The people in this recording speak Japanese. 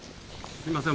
すみません。